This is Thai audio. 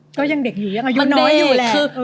ก็ยังเด็กอยู่ยังอายุน้อยอยู่แหละ